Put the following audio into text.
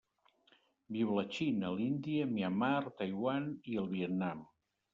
Viu a la Xina, l'Índia, Myanmar, Taiwan i el Vietnam.